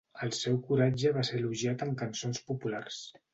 El seu coratge va ser elogiat en cançons populars.